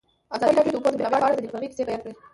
ازادي راډیو د د اوبو منابع په اړه د نېکمرغۍ کیسې بیان کړې.